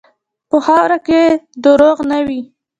په خاوره کې دروغ نه وي.